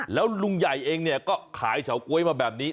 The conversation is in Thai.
แล้วลุงใหญ่เองเนี่ยก็ขายเฉาก๊วยมาแบบนี้